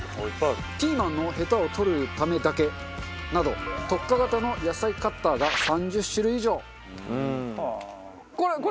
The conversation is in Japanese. ピーマンのヘタを取るためだけなど特化型の野菜カッターが３０種類以上。